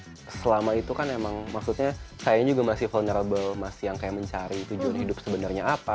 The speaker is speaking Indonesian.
jadi kayak selama itu kan emang maksudnya saya juga masih vulnerable masih yang kayak mencari tujuan hidup sebenarnya apa